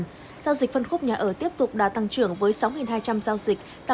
giao dịch phân khúc nhà ở tiếp tục đã tăng trưởng với sáu hai trăm linh giao dịch